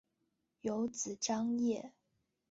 有子章碣。